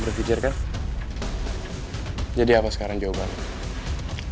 kerja japanya anakmu ini depan remaja dah